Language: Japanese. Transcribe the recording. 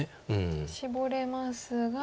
シボれますが。